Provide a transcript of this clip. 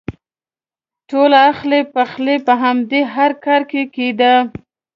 ټول اخلی پخلی په همدې هرکاره کې کېده.